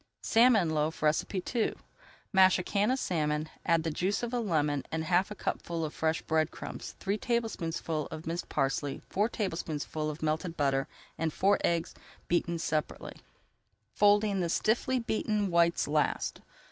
SALMON LOAF II Mash a can of salmon, add the juice of a lemon, and half a cupful of fresh bread crumbs, three tablespoonfuls of minced parsley, four tablespoonfuls of melted butter and four eggs beaten separately, folding in the stiffly beaten whites last.